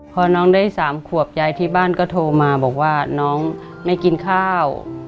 พอน้องได้๓ขวบยายที่บ้านก็โทรมาบอกว่าน้องไม่กินข้าว